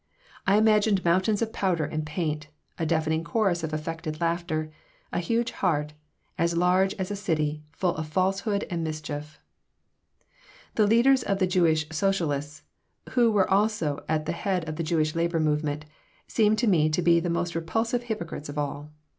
I imagined mountains of powder and paint, a deafening chorus of affected laughter, a huge heart, as large as a city, full of falsehood and mischief The leaders of the Jewish socialists, who were also at the head of the Jewish labor movement, seemed to me to be the most repulsive hypocrites of all.